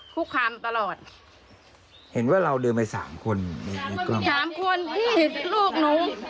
คุกคำตลอดเห็นว่าเราเดินไปสามคนสามคนนี่ลูกหนู